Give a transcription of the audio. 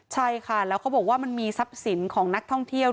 ใช่ค่ะแล้วเขาบอกว่ามันมีทรัพย์สินของนักท่องเที่ยว